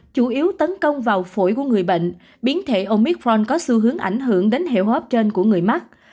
chủ yếu tấn công vào phổi của người bệnh biến thể omicron có xu hướng ảnh hưởng đến hệ hô hấp trên của người mắc